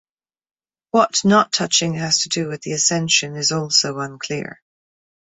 What not touching has to do with the ascension is also unclear.